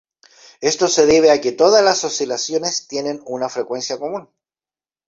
Esto se debe a que todas las oscilaciones tienen una frecuencia común.